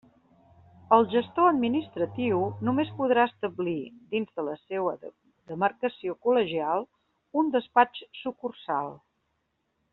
El gestor administratiu només podrà establir, dins de la seua demarcació col·legial, un despatx-sucursal.